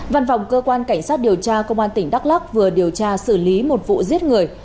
văn phòng cơ quan cảnh sát điều tra công an tỉnh đắk lắc vừa điều tra xử lý một vụ giết người